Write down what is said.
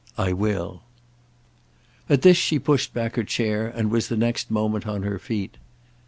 "I will." At this she pushed back her chair and was the next moment on her feet.